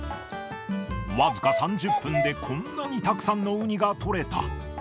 僅か３０分でこんなにたくさんのウニが取れた。